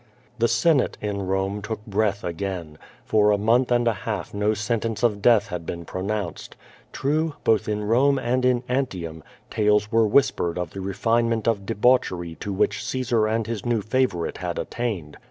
The Senate in Rome took breath again. For a month and a half no sentence of death had been pronounced. True, both in Rome andi in Antium, tales were whispered of the re finement of debauchery to which Caesar and his new favor ite had attained.